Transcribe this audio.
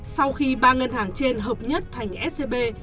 sau khi ba ngân hàng trên hợp nhất thành scb